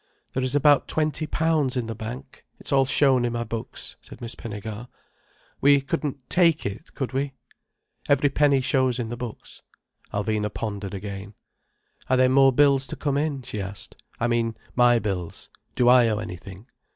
"There is about twenty pounds in the bank. It's all shown in my books," said Miss Pinnegar. "We couldn't take it, could we?" "Every penny shows in the books." Alvina pondered again. "Are there more bills to come in?" she asked. "I mean my bills. Do I owe anything?"